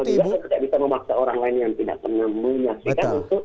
juga saya tidak bisa memaksa orang lain yang tidak pernah menyaksikan